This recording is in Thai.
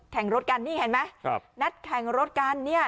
แข่งรถกันนี่เห็นไหม